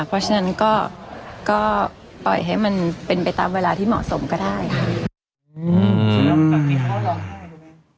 เพราะฉะนั้นก็ปล่อยให้มันเป็นไปตามเวลาที่เหมาะสมก็ได้ค่ะ